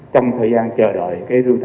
trong thời gian chờ đợi